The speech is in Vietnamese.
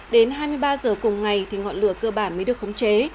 đến hai mươi ba h cùng ngày thì ngọn lửa cơ bản mới được khống chế